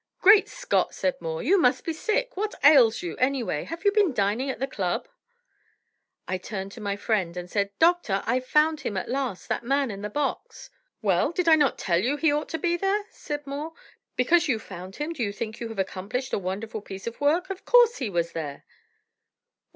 "Great Scott!" said Moore, "you must be sick. What ails you, anyway? Have you been dining at the Club?" I turned to my friend and said: "Doctor, I've found him at last that man in the box." "Well, did not I tell you he ought to be there?" said Moore. "Because you found him, do you think you have accomplished a wonderful piece of work? Of course he was there."